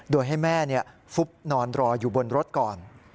โดยให้แม่ฟุบนอนรออยู่บนรถก่อน